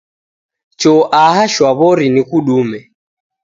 Choo aha shwaw'ori nikudume.